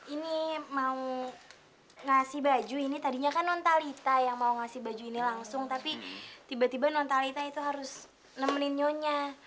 ini mau ngasih baju ini tadinya kan non talita yang mau ngasih baju ini langsung tapi tiba tiba non talita itu harus nemenin nyonya